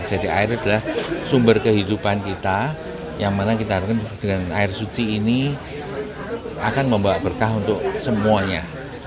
jadi air adalah sumber kehidupan kita yang mana kita dengan air suci ini akan membawa berkah untuk semuanya